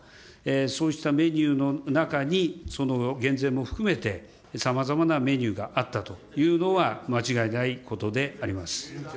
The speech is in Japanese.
そうしたメニューの中にその減税も含めて、さまざまなメニューがあったというのは、間違いないことであります。